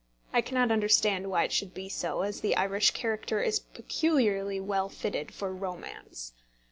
I cannot understand why it should be so, as the Irish character is peculiarly well fitted for romance.